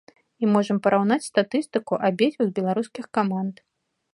І можам параўнаць статыстыку абедзвюх беларускіх каманд.